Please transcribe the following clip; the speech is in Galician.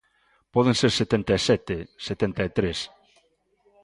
Poden ser setenta e sete, setenta e tres...